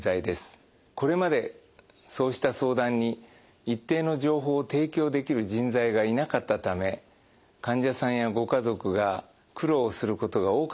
これまでそうした相談に一定の情報を提供できる人材がいなかったため患者さんやご家族が苦労をすることが多かったと聞いています。